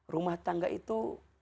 rumah tangga itu